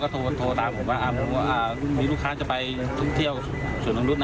ก็โทรตามผมว่ามีลูกค้านจะไปท่วงเที่ยว่าส่วนโรงยุทธ์